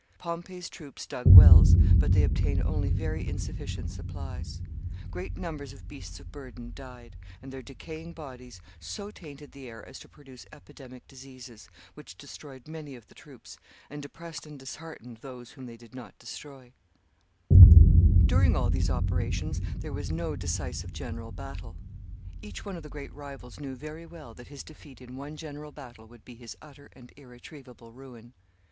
Pompey's troops dug wells, but they obtained only very insufficient supplies. Great numbers of beasts of burden died, and their decaying bodies so tainted the air as to produce epidemic diseases, which destroyed many of the troops, and depressed and disheartened those whom they did not destroy. [Sidenote: Nature of the contest between Caesar and Pompey.] [Sidenote: Both hesitate.] During all these operations there was no decisive general battle. Each one of the great rivals knew very well that his defeat in one general battle would be his utter and irretrievable ruin.